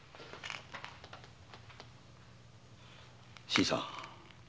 新さん